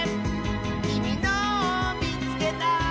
「きみのをみつけた！」